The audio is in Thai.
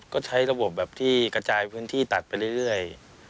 ของเทพดิสัมพันธ์และแคลเตอร์